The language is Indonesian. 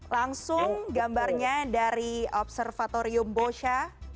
langsung gambarnya dari observatorium bosha